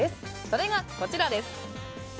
それがこちらです。